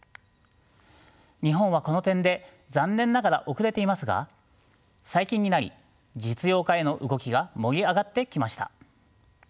日本はこの点で残念ながら遅れていますが最近になり実用化への動きが盛り上がってきました。